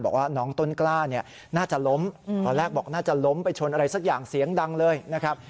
บอกว่าน้องต้นกล้าเนี่ยน่าจะล้มตอนแรกบอกน่าจะล้มไปชนอะไรสักอย่างเสียงดังเลยนะครับ